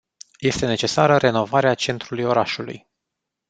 Este necesară renovarea centrului orașului.